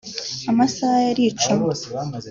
Amasaha yaricumye